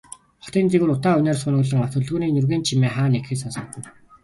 Хотын дээгүүр утаа униар суунаглан, авто хөдөлгөөний нүргээнт чимээ хаа нэгхэн сонсогдоно.